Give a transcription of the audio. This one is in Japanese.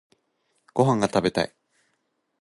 ご飯が食べたい。